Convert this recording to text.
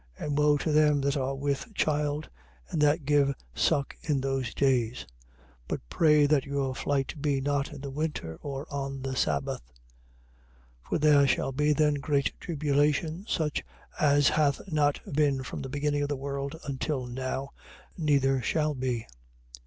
24:19. And woe to them that are with child and that give suck in those days. 24:20. But pray that your flight be not in the winter or on the sabbath. 24:21. For there shall be then great tribulation, such as hath not been from the beginning of the world until now, neither shall be.